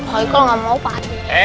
haikal gak mau pakde